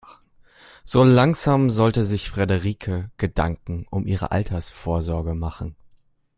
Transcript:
So langsam sollte sich Frederike Gedanken um ihre Altersvorsorge machen.